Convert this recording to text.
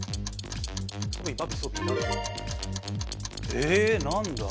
え何だ？